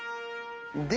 で。